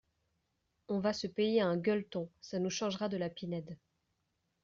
On va se payer un gueuleton, ça nous changera de la Pinède.